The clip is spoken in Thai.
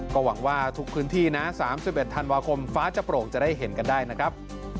ก็หวังว่าทุกพื้นที่นะ๓๑ธันวาคมฟ้าจะโปร่งจะได้เห็นกันได้นะครับ